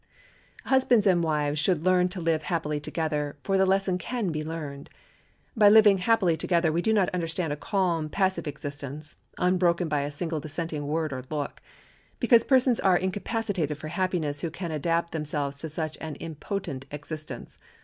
Husbands and wives should learn to live happily together, for the lesson can be learned. By living happily together we do not understand a calm, passive existence, unbroken by a single dissenting word or look, because persons are incapacitated for happiness who can adapt themselves to such an impotent existence.